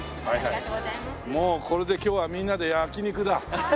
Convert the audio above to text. もうこれで今日はみんなで焼き肉だ。